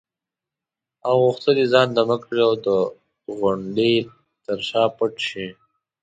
او غوښتل یې ځان دمه کړي او د غونډې تر شا پټ شي.